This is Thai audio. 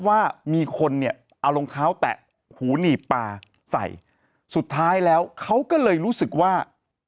ว่ามีคนเนี่ยเอารองเท้าแตะหูหนีบปลาใส่สุดท้ายแล้วเขาก็เลยรู้สึกว่า